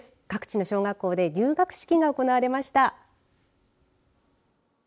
各地の小学校で入学式が行われました。